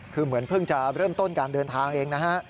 คือเหมือนเพิ่งจะเริ่มต้นการเดินทางเองนะฮะ